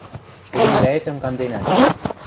– Эдемвлӓэтӹм канденӓм.